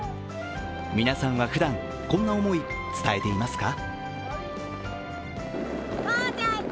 皆さんはふだん、こんな思い、伝えていますか？